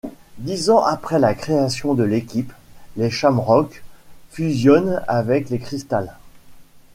Dix ans après la création de l'équipe, les Shamrocks fusionnent avec les Crystals.